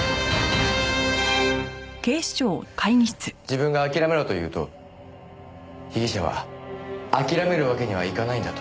自分が「諦めろ」と言うと被疑者は「諦めるわけにはいかないんだ」と言いました。